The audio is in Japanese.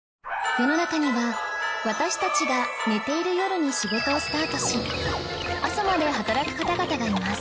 世の中には私たちが寝ている夜に仕事をスタートし朝まで働く方々がいます